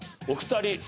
お二人。